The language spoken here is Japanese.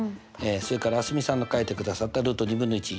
それから蒼澄さんが書いてくださったルート２分の１。